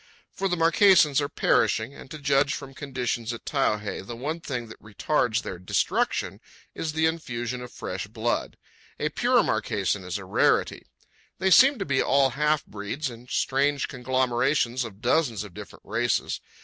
For the Marquesans are perishing, and, to judge from conditions at Taiohae, the one thing that retards their destruction is the infusion of fresh blood. A pure Marquesan is a rarity. They seem to be all half breeds and strange conglomerations of dozens of different races.